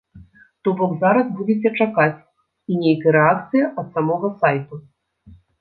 То бок зараз будзеце чакаць і нейкай рэакцыі ад самога сайту?